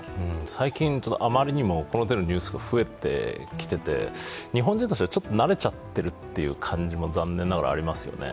最近、あまりにもこの手のニュースが増えてきていて日本人としては、ちょっと慣れちゃってる感じも残念ながらありますね。